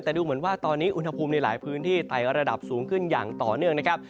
แต่ดูเหมือนว่าตอนนี้อุณหภูมิในหลายพื้นที่ไต่ระดับสูงขึ้นอย่างต่อเนื่องนะครับ